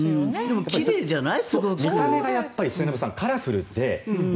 でも、奇麗じゃない？